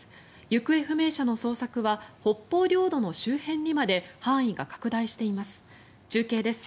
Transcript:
行方不明者の捜索は北方領土の周辺にまで範囲が拡大しています。